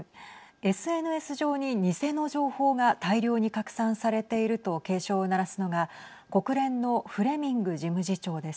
ＳＮＳ上に偽の情報が大量に拡散されていると警鐘を鳴らすのが国連のフレミング事務次長です。